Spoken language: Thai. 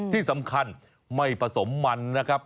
ที่สำคัญไม่ผสมมันนะครับ